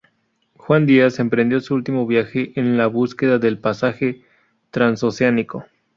Juan Díaz emprendió su último viaje en la búsqueda del pasaje transoceánico.